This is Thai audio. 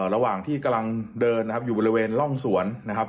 ระหว่างที่กำลังเดินอยู่บริเวณร่องสวน